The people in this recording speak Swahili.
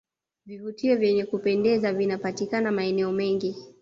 vivutio vyenye kupendeza vinapatikana maeneo mengi